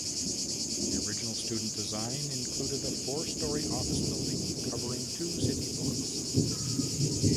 The original student design included a four-story office building covering two city blocks.